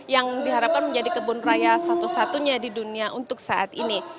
yang diharapkan menjadi kebun raya satu satunya di dunia untuk saat ini